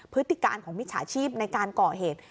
พฤติการของมิจฉาชีพในการก่อเหตุ